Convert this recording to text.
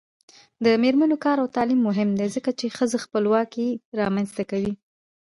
د میرمنو کار او تعلیم مهم دی ځکه چې ښځو خپلواکي رامنځته کوي.